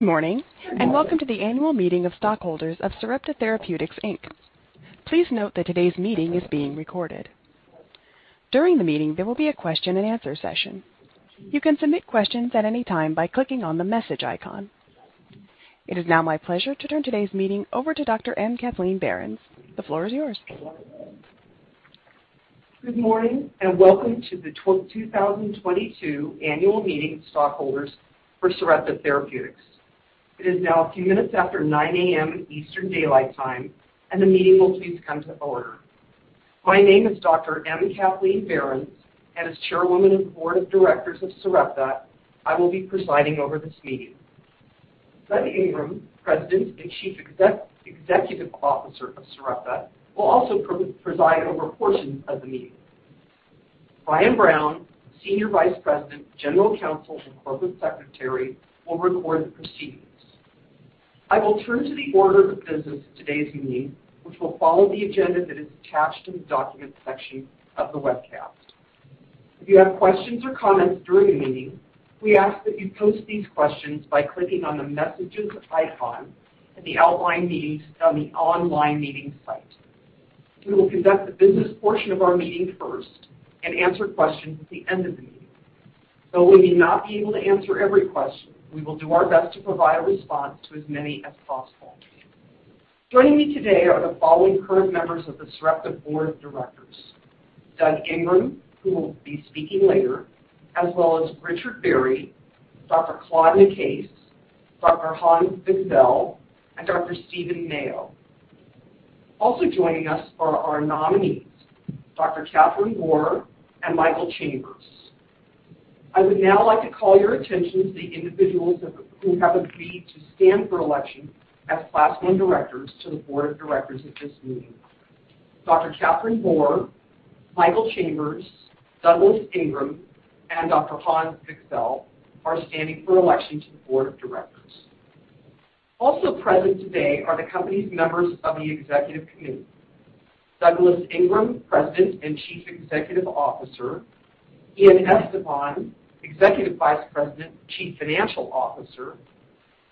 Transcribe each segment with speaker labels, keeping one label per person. Speaker 1: Good morning, and welcome to the annual meeting of stockholders of Sarepta Therapeutics, Inc. Please note that today's meeting is being recorded. During the meeting, there will be a question and answer session. You can submit questions at any time by clicking on the message icon. It is now my pleasure to turn today's meeting over to Dr. M. Kathleen Behrens. The floor is yours.
Speaker 2: Good morning, and welcome to the 2022 annual meeting of stockholders for Sarepta Therapeutics. It is now a few minutes after 9 A.M. Eastern Daylight Time, and the meeting will please come to order. My name is Dr. M. Kathleen Behrens, and as Chairwoman of the Board of Directors of Sarepta, I will be presiding over this meeting. Doug Ingram, President and Chief Executive Officer of Sarepta, will also preside over portions of the meeting. Ryan Brown, Senior Vice President, General Counsel, and Corporate Secretary, will record the proceedings. I will turn to the order of business of today's meeting, which will follow the agenda that is attached in the Documents section of the webcast. If you have questions or comments during the meeting, we ask that you post these questions by clicking on the Messages icon in the online meeting, on the online meeting site. We will conduct the business portion of our meeting first and answer questions at the end of the meeting. Though we may not be able to answer every question, we will do our best to provide a response to as many as possible. Joining me today are the following current members of the Sarepta Board of Directors: Doug Ingram, who will be speaking later, as well as Richard Barry, Dr. Claude Nicaise, Dr. Hans Wigzell, and Dr. Stephen Mayo. Also joining us are our nominees, Dr. Kathryn Boor and Michael Chambers. I would now like to call your attention to the individuals who have agreed to stand for election as Class One directors to the board of directors at this meeting. Dr. Kathryn Boor, Michael Chambers, Douglas Ingram, and Dr. Hans Wigzell are standing for election to the board of directors. Also present today are the company's members of the executive committee. Douglas Ingram, President and Chief Executive Officer. Ian Estepan, Executive Vice President and Chief Financial Officer.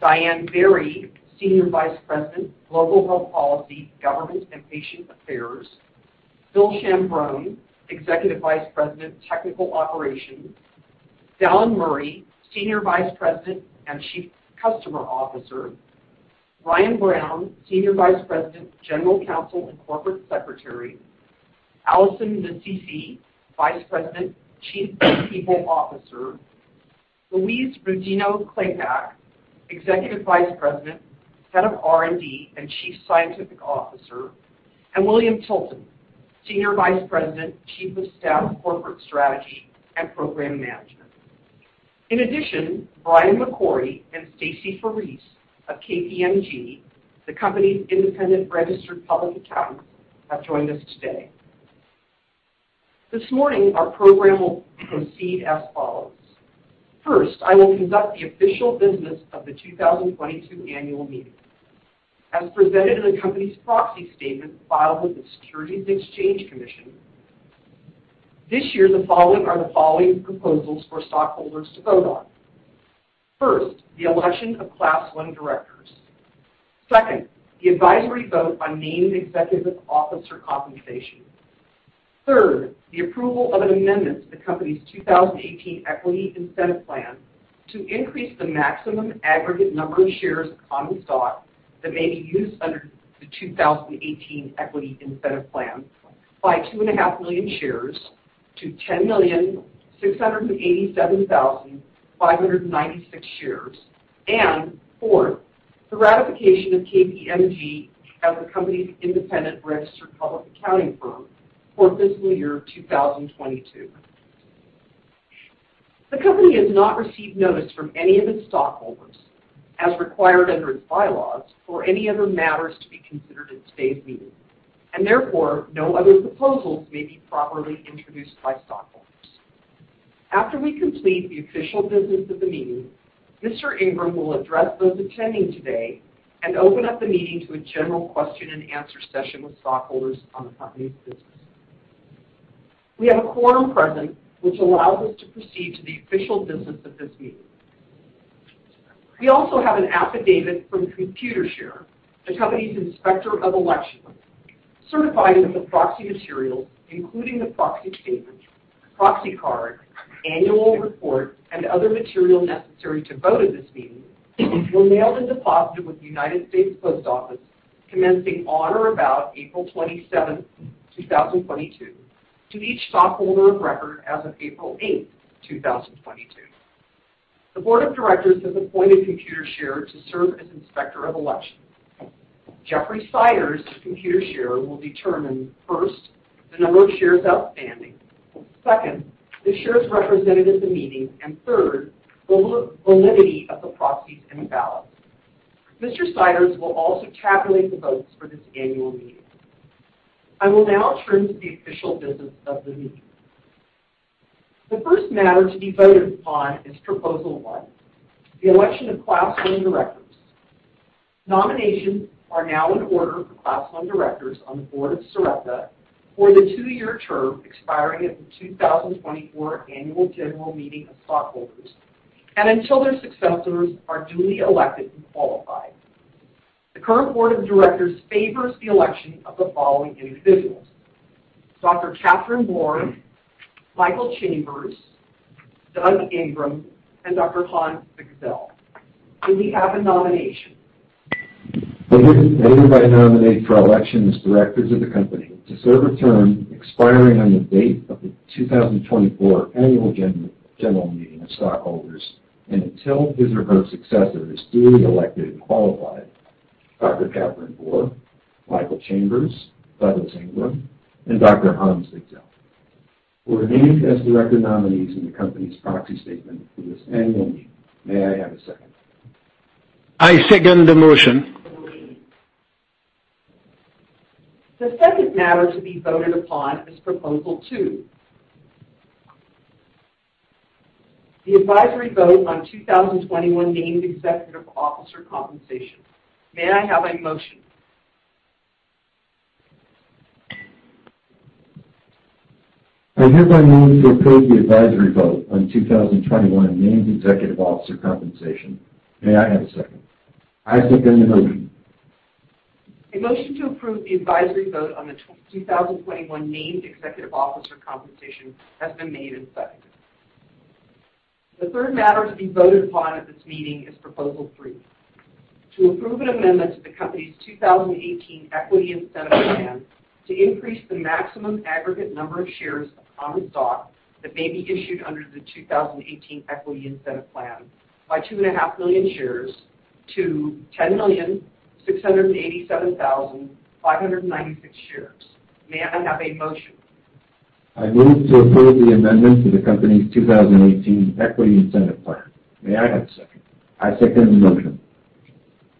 Speaker 2: Diane Berry, Senior Vice President, Global Health Policy, Government and Patient Affairs. William Ciambrone, Executive Vice President, Technical Operations. Dallan Murray, Senior Vice President and Chief Customer Officer. Ryan Brown, Senior Vice President, General Counsel, and Corporate Secretary. Alison Nasisi, Vice President, Chief People Officer. Louise Rodino-Klapac, Executive Vice President, Head of R&D, and Chief Scientific Officer. William Tilton, Senior Vice President, Chief of Staff, Corporate Strategy, and Program Management. In addition, Brian McCrory and Stacy Farese of KPMG, the company's independent registered public accountants, have joined us today. This morning, our program will proceed as follows. First, I will conduct the official business of the 2022 annual meeting. As presented in the company's proxy statement filed with the Securities and Exchange Commission, this year, the following proposals for stockholders to vote on. First, the election of Class One directors. Second, the advisory vote on named executive officer compensation. Third, the approval of an amendment to the company's 2018 Equity Incentive Plan to increase the maximum aggregate number of shares of common stock that may be used under the 2018 Equity Incentive Plan by 2.5 million shares to 10,687,596 shares. Fourth, the ratification of KPMG as the company's independent registered public accounting firm for fiscal year 2022. The company has not received notice from any of its stockholders, as required under its bylaws, for any other matters to be considered at today's meeting. Therefore, no other proposals may be properly introduced by stockholders. After we complete the official business of the meeting, Mr. Ingram will address those attending today and open up the meeting to a general question and answer session with stockholders on the company's business. We have a quorum present, which allows us to proceed to the official business of this meeting. We also have an affidavit from Computershare, the company's inspector of elections, certifying that the proxy materials, including the proxy statement, proxy card, annual report, and other material necessary to vote at this meeting, were mailed and deposited with the United States Postal Service commencing on or about April 27, 2022 to each stockholder of record as of April 8, 2022. The board of directors has appointed Computershare to serve as Inspector of Elections. Jeffrey Siders of Computershare will determine, first, the number of shares outstanding, second, the shares represented at the meeting, and third, the validity of the proxies and ballots. Mr. Siders will also tabulate the votes for this annual meeting. I will now turn to the official business of the meeting. The first matter to be voted upon is Proposal One, the election of Class One directors. Nominations are now in order for Class One directors on the board of Sarepta for the two-year term expiring at the 2024 annual general meeting of stockholders and until their successors are duly elected and qualified. The current board of directors favors the election of the following individuals: Dr. Kathryn Boor, Michael Chambers, Doug Ingram, and Dr. Hans Wigzell. Do we have a nomination?
Speaker 3: I hereby nominate for election as directors of the company to serve a term expiring on the date of the 2024 annual general meeting of stockholders and until his or her successor is duly elected and qualified. Dr. Kathryn Boor, Michael Chambers, Douglas Ingram, and Dr. Hans Wigzell, who are named as director nominees in the company's proxy statement for this annual meeting. May I have a second? I second the motion.
Speaker 2: The second matter to be voted upon is Proposal 2. The advisory vote on 2021 named executive officer compensation. May I have a motion?
Speaker 3: I hereby move to approve the advisory vote on 2021 named executive officer compensation. May I have a second? I second the motion.
Speaker 2: A motion to approve the advisory vote on the 2021 named executive officer compensation has been made and seconded. The third matter to be voted upon at this meeting is proposal three. To approve an amendment to the company's 2018 Equity Incentive Plan to increase the maximum aggregate number of shares of common stock that may be issued under the 2018 Equity Incentive Plan by 2.5 million shares to 10,687,596 shares. May I have a motion?
Speaker 3: I move to approve the amendment to the company's 2018 Equity Incentive Plan. May I have a second? I second the motion.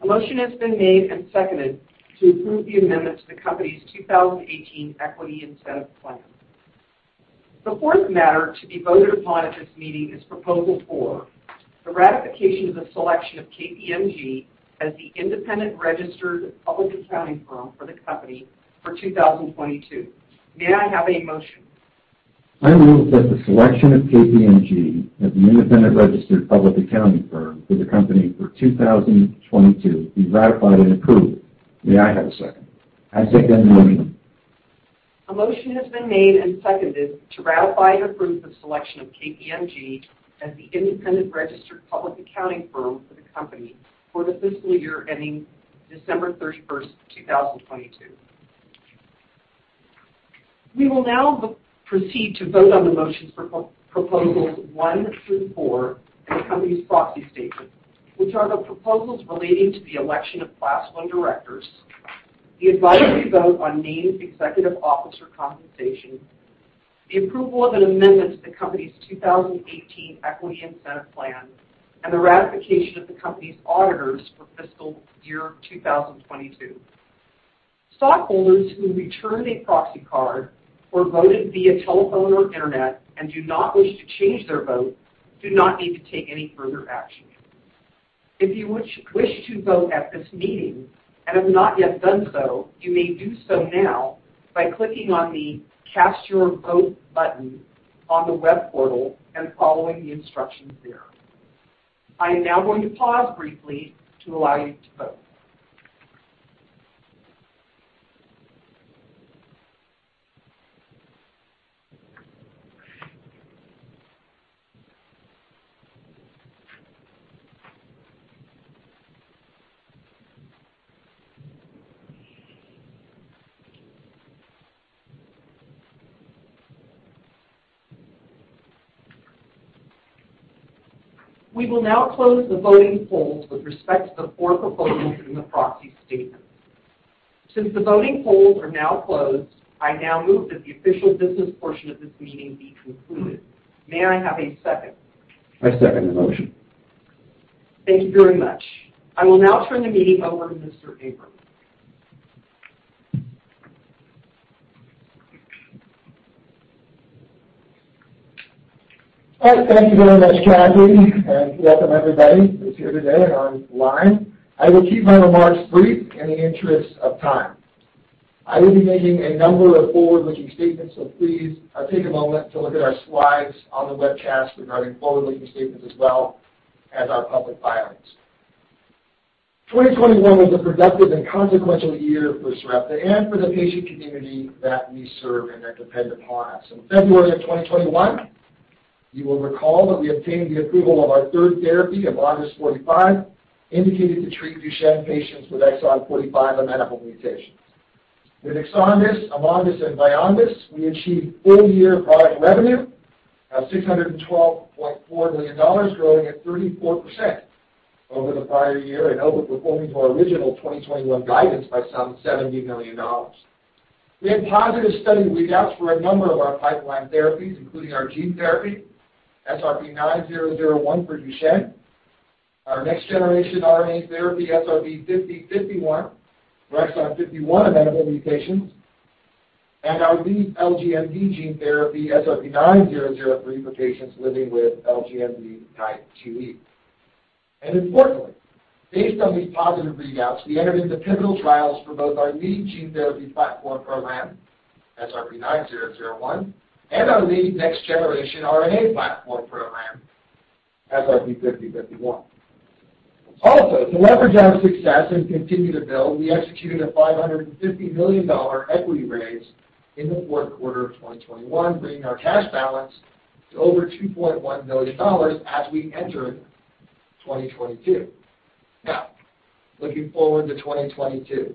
Speaker 2: A motion has been made and seconded to approve the amendment to the company's 2018 Equity Incentive Plan. The fourth matter to be voted upon at this meeting is proposal four, the ratification of the selection of KPMG as the independent registered public accounting firm for the company for 2022. May I have a motion?
Speaker 3: I move that the selection of KPMG as the independent registered public accounting firm for the company for 2022 be ratified and approved. May I have a second? I second the motion.
Speaker 2: A motion has been made and seconded to ratify and approve the selection of KPMG as the independent registered public accounting firm for the company for the fiscal year ending December 31st, 2022. We will now proceed to vote on the motions for proposals 1 through 4 in the company's proxy statement, which are the proposals relating to the election of Class One directors, the advisory vote on named executive officer compensation, the approval of an amendment to the company's 2018 Equity Incentive Plan, and the ratification of the company's auditors for fiscal year 2022. Stockholders who returned a proxy card or voted via telephone or internet and do not wish to change their vote do not need to take any further action. If you wish to vote at this meeting and have not yet done so, you may do so now by clicking on the Cast Your Vote button on the web portal and following the instructions there. I am now going to pause briefly to allow you to vote. We will now close the voting polls with respect to the four proposals in the proxy statement. Since the voting polls are now closed, I now move that the official business portion of this meeting be concluded. May I have a second?
Speaker 3: I second the motion.
Speaker 2: Thank you very much. I will now turn the meeting over to Mr. Ingram.
Speaker 4: All right. Thank you very much, Kathy, and welcome everybody who's here today and online. I will keep my remarks brief in the interest of time. I will be making a number of forward-looking statements. Please, take a moment to look at our slides on the webcast regarding forward-looking statements, as well as our public filings. 2021 was a productive and consequential year for Sarepta and for the patient community that we serve and that depend upon us. In February of 2021, you will recall that we obtained the approval of our third therapy, AMONDYS 45, indicated to treat Duchenne patients with exon 45 amenable mutations. With EXONDYS 51, AMONDYS 45, and VYONDYS 53, we achieved full-year product revenue of $612.4 million, growing at 34% over the prior year and overperforming to our original 2021 guidance by some $70 million. We had positive study readouts for a number of our pipeline therapies, including our gene therapy, SRP-9001 for Duchenne, our next generation RNA therapy, SRP-5051 for exon 51 amenable mutations. Our lead LGMD gene therapy, SRP-9003, for patients living with LGMD2E. Importantly, based on these positive readouts, we entered into pivotal trials for both our lead gene therapy platform program, SRP-9001, and our lead next generation RNA platform program, SRP-5051. Also, to leverage our success and continue to build, we executed a $550 million equity raise in the fourth quarter of 2021, bringing our cash balance to over $2.1 million as we entered 2022. Now, looking forward to 2022.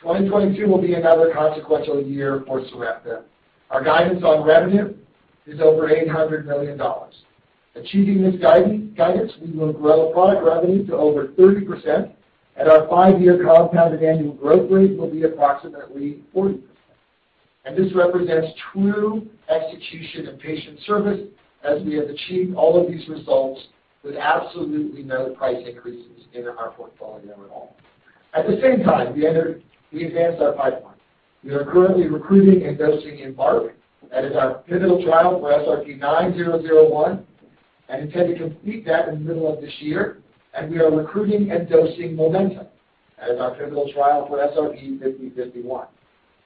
Speaker 4: 2022 will be another consequential year for Sarepta. Our guidance on revenue is over $800 million. Achieving this guidance, we will grow product revenue to over 30% and our 5-year compounded annual growth rate will be approximately 40%. This represents true execution and patient service as we have achieved all of these results with absolutely no price increases in our portfolio at all. At the same time, we advanced our pipeline. We are currently recruiting and dosing EMBARK. That is our pivotal trial for SRP-9001, and intend to complete that in the middle of this year. We are recruiting and dosing MOMENTUM. That is our pivotal trial for SRP-5051.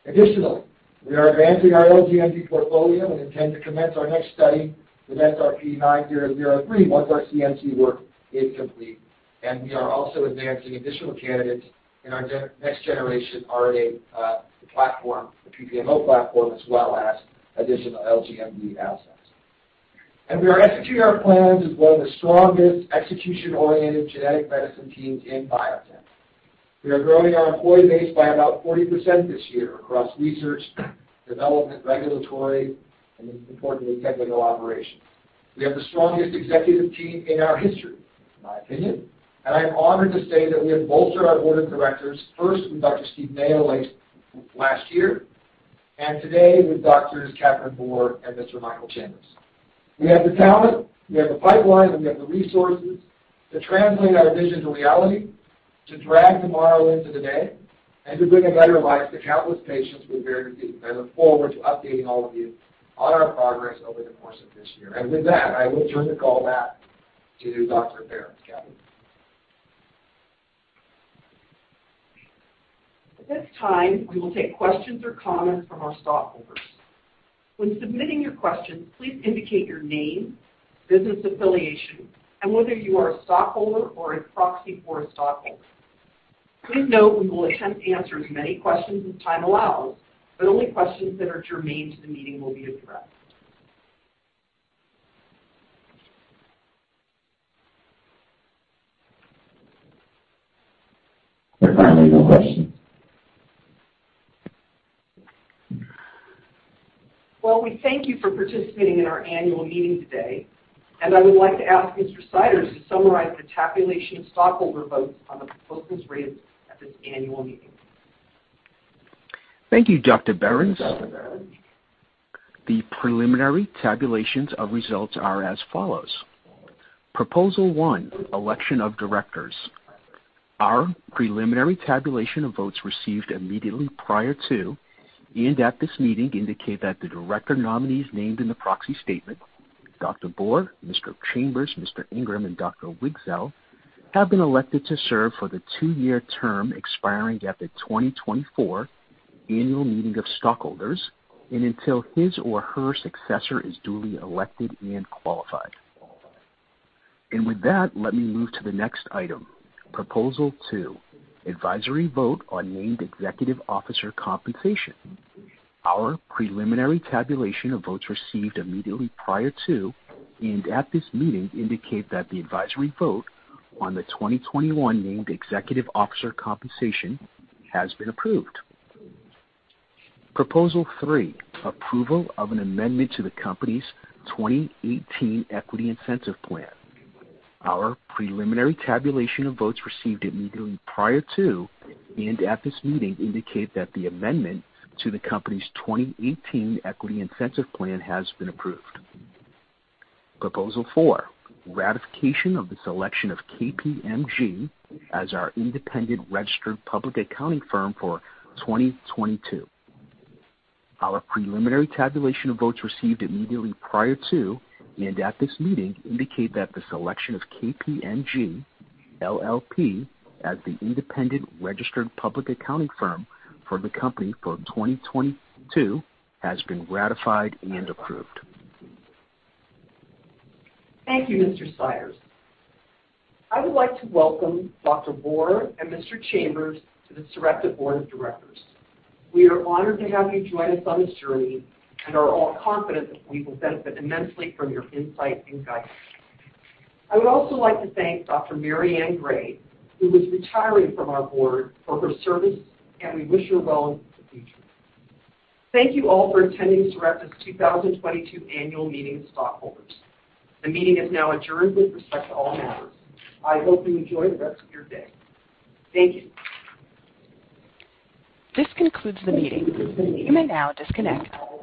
Speaker 4: Additionally, we are advancing our LGMD portfolio and intend to commence our next study with SRP-9003 once our CMC work is complete. We are also advancing additional candidates in our next generation RNA platform, the PPMO platform, as well as additional LGMD assets. We are executing our plans as one of the strongest execution-oriented genetic medicine teams in biotech. We are growing our employee base by about 40% this year across research, development, regulatory, and importantly, technical operations. We have the strongest executive team in our history, in my opinion. I am honored to say that we have bolstered our board of directors, first with Dr. Stephen Mayo late last year, and today with Doctors Kathryn Boor and Mr. Michael Chambers. We have the talent, we have the pipeline, and we have the resources to translate our vision to reality, to drag tomorrow into today, and to bring a better life to countless patients with rare disease. I look forward to updating all of you on our progress over the course of this year. With that, I will turn the call back to Dr. Behrens. Kathleen?
Speaker 2: At this time, we will take questions or comments from our stockholders. When submitting your questions, please indicate your name, business affiliation, and whether you are a stockholder or a proxy for a stockholder. Please note we will attempt to answer as many questions as time allows, but only questions that are germane to the meeting will be addressed.
Speaker 5: There are currently no questions.
Speaker 2: Well, we thank you for participating in our annual meeting today, and I would like to ask Mr. Siders to summarize the tabulation of stockholder votes on the proposals raised at this annual meeting.
Speaker 5: Thank you, Dr. Behrens. The preliminary tabulations of results are as follows. Proposal one, election of directors. Our preliminary tabulation of votes received immediately prior to and at this meeting indicate that the director nominees named in the proxy statement, Dr. Boor, Mr. Chambers, Mr. Ingram, and Dr. Wigzell, have been elected to serve for the two-year term expiring at the 2024 annual meeting of stockholders and until his or her successor is duly elected and qualified. With that, let me move to the next item. Proposal two, advisory vote on named executive officer compensation. Our preliminary tabulation of votes received immediately prior to and at this meeting indicate that the advisory vote on the 2021 named executive officer compensation has been approved. Proposal three, approval of an amendment to the company's 2018 Equity Incentive Plan. Our preliminary tabulation of votes received immediately prior to and at this meeting indicate that the amendment to the company's 2018 Equity Incentive Plan has been approved. Proposal 4, ratification of the selection of KPMG as our independent registered public accounting firm for 2022. Our preliminary tabulation of votes received immediately prior to and at this meeting indicate that the selection of KPMG LLP as the independent registered public accounting firm for the company for 2022 has been ratified and approved.
Speaker 2: Thank you, Mr. Siders. I would like to welcome Dr. Boor and Mr. Chambers to the Sarepta board of directors. We are honored to have you join us on this journey and are all confident that we will benefit immensely from your insight and guidance. I would also like to thank Dr. Mary Ann Gray, who is retiring from our board, for her service, and we wish her well in the future. Thank you all for attending Sarepta's 2022 annual meeting of stockholders. The meeting is now adjourned with respect to all matters. I hope you enjoy the rest of your day. Thank you.
Speaker 1: This concludes the meeting. You may now disconnect.